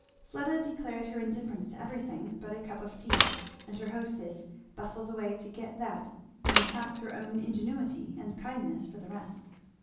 Fleda declared her indifference to everything but a cup of tea, and her hostess bustled away to get that and tax her own ingenuity and kindness for the rest.